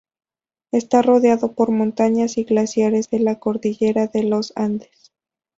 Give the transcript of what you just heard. Está rodeado por montañas y glaciares de la cordillera de los Andes.